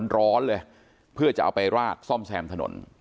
ร้อนเลยเพื่อจะเอาไปราดซ่อมแซมถนน